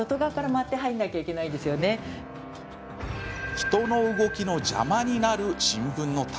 人の動きの邪魔になる新聞の束。